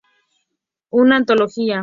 Una antología".